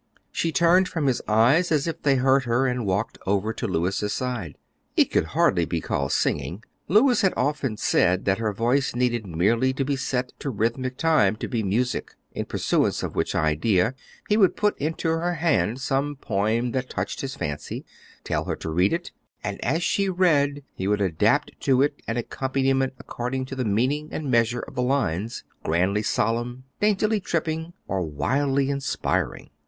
She turned from his eyes as if they hurt her, and walked over to Louis's side. It could hardly be called singing. Louis had often said that her voice needed merely to be set to rhythmic time to be music; in pursuance of which idea he would put into her hand some poem that touched his fancy, tell her to read it, and as she read, he would adapt to it an accompaniment according to the meaning and measure of the lines, grandly solemn, daintily tripping, or wildly inspiriting.